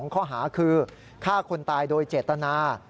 ข้อหาคือฆ่าคนตายโดยเจตนา